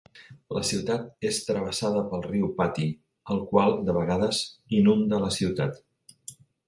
La ciutat és travessada pel riu Pati, el qual de vegades inunda la ciutat.